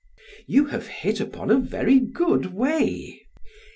PHAEDRUS: You have hit upon a very good way.